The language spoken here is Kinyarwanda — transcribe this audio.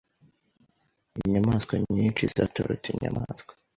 Inyamaswa nyinshi zatorotse inyamaswa.